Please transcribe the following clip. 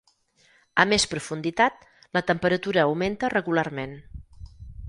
A més profunditat, la temperatura augmenta regularment.